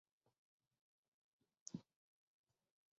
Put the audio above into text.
আমার অবাক হওয়া উচিত যদি সে পারে।